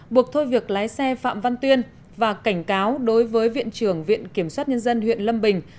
buộc thôi việc lái xe phạm văn tuyên và cảnh cáo đối với viện trưởng viện kiểm soát nhân dân huyện lâm bình